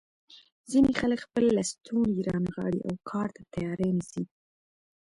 ځینې خلک خپل لستوڼي رانغاړي او کار ته تیاری نیسي.